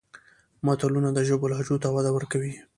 متلونه د ژبې لهجو ته وده ورکوي